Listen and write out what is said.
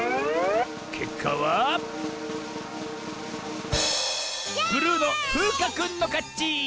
けっかはブルーのふうかくんのかち！